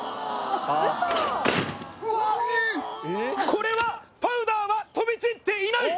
これはパウダーは飛び散っていない。